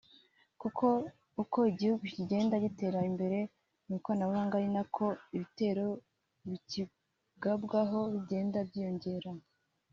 kuko uko igihugu kigenda gitera imbere mu ikoranabuhanga ari nako ibitero bikigabwaho bigenda byiyongera